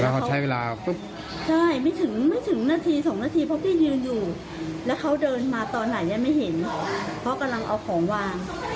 เพราะกำลังเอาของวาง